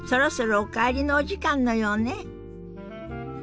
そろそろお帰りのお時間のようね。